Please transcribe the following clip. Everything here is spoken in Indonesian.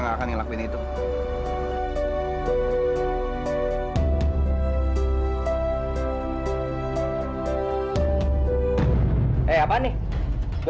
lepasin pak randy